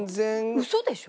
ウソでしょ？